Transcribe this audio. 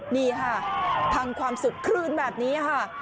นี่ค่ะพังความสุขคลื่นแบบนี้ค่ะ